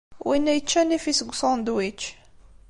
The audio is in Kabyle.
Winna yečča nnif-is deg usandwič.